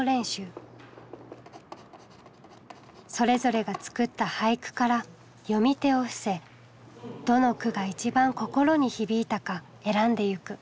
それぞれが作った俳句から詠み手を伏せどの句が一番心に響いたか選んでいく。